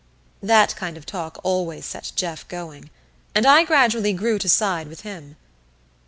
That kind of talk always set Jeff going; and I gradually grew to side with him.